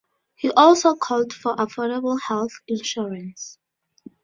He also called for affordable health insurance.